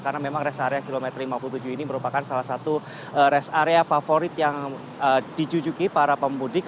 karena memang rest area kilometer lima puluh tujuh ini merupakan salah satu rest area favorit yang dicucuki para pemudik